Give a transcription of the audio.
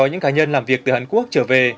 những cá nhân làm việc từ hàn quốc trở về